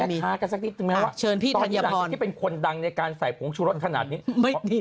แบตค้ากันสักนิดนึงนะว่าเชิญพี่ท่านเยียบพรตอนที่หลังที่เป็นคนดังในการใส่ผงชุรสขนาดนี้